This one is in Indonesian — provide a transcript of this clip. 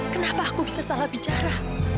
kenapa aku bisa salah bicara